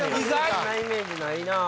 そんなイメージないなぁ。